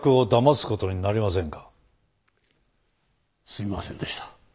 すいませんでした。